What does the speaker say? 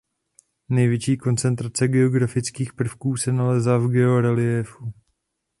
Největší koncentrace geografických prvků se nalézá v georeliéfu.